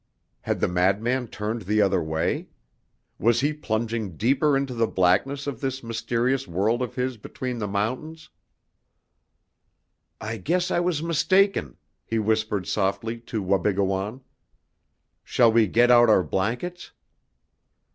Had the madman turned the other way? Was he plunging deeper into the blackness of this mysterious world of his between the mountains? "I guess I was mistaken," he whispered softly to Wabigoon. "Shall we get out our blankets?"